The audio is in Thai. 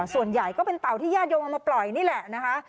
ส่วนใหญ่ก็เป็นเต่าที่ญาติโยมเอามาปล่อยนี่แหละนะคะ